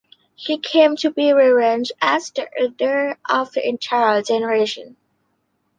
He came to be regarded as the leader of the entire generation.